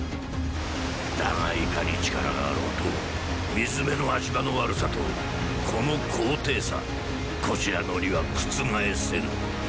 だがいかに力があろうと水辺の足場の悪さとこの高低差こちらの利は覆せぬ。